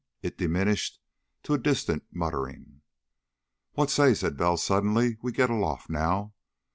It diminished to a distant muttering. "What say," said Bell suddenly, "we get aloft now?